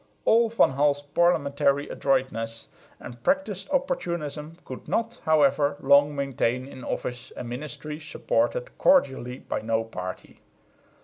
All Van Hall's parliamentary adroitness and practised opportunism could not, however, long maintain in office a ministry supported cordially by no party.